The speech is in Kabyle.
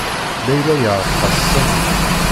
Layla yeɛreq-as Sami.